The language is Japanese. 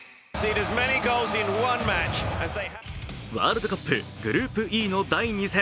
ワールドカップグループＥの第２戦。